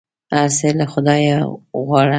هر څه له خدایه غواړه !